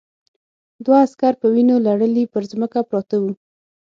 دوه عسکر په وینو لړلي پر ځمکه پراته وو